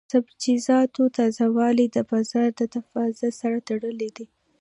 د سبزیجاتو تازه والی د بازار د تقاضا سره تړلی دی.